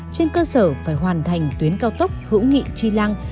trên cơ sở phải hoàn thành tuyến cao tốc hữu nghị tri lăng